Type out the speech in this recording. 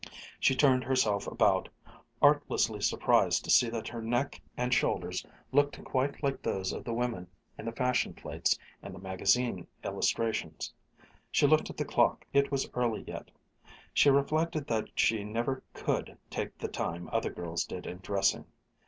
She turned herself about, artlessly surprised to see that her neck and shoulders looked quite like those of the women in the fashion plates and the magazine illustrations. She looked at the clock. It was early yet. She reflected that she never could take the time other girls did in dressing.